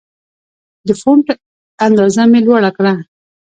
د فونټ اندازه مې لوړه کړه.